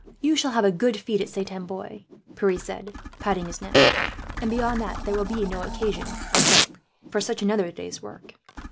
"You shall have a good feed at Saint Amboise," Pierre said, patting its neck; "and beyond that, there will be no occasion, I hope, for such another day's work."